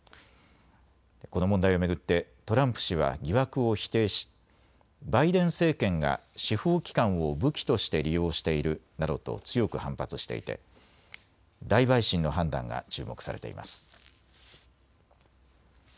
この問題を巡ってトランプ氏は疑惑を否定しバイデン政権が司法機関を武器として利用しているなどと強く反発していて大陪審の判断が注目されています。